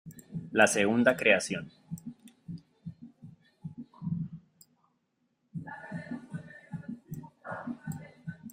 La Segunda Creación.